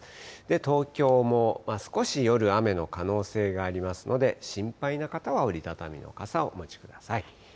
東京も少し夜、雨の可能性がありますので、心配な方は折り畳みの傘をお持ちください。